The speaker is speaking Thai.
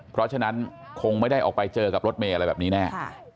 เพราะฉะนั้นคงไม่ได้ออกไปเจอกับรถเมย์อะไรแบบนี้แน่